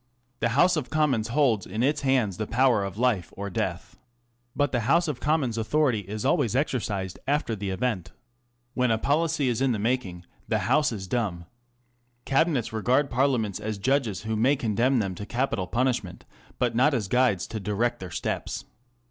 The House of Commons holds in its hands the power of life or death. But the House of Commons' authority is always exercised after the event. When a policy is in the making, the House is dumb. Cabinets regard Parliaments as judges who may condemn them to capital punish ment, but not as guides to direct their steps.